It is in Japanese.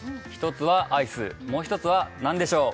１つはアイスもう一つは何でしょう？